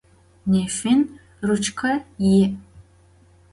Nefın ruçke yi'.